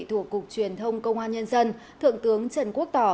thuộc cục truyền thông công an nhân dân thượng tướng trần quốc tỏ